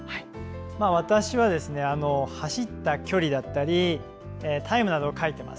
私は走った距離だったりタイムなどを書いています。